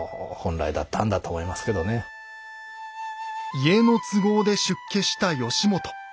家の都合で出家した義元。